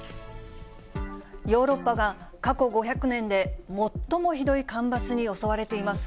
ヨーロッパが過去５００年で最もひどい干ばつに襲われています。